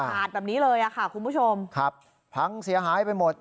ขาดแบบนี้เลยอ่ะค่ะคุณผู้ชมครับพังเสียหายไปหมด